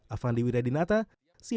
afandi widadi nata cnn indonesia